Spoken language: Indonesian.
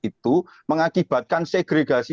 itu mengakibatkan segregasi